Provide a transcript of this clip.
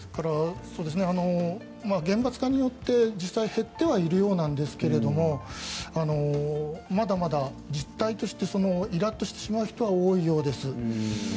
厳罰化によって実際減ってはいるようですがまだまだ実態としてイラッとしてしまう人は多いようです。